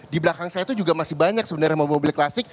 di belakang saya itu juga masih banyak sebenarnya mobil mobil klasik